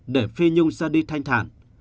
để phi nhung xa đi thanh thản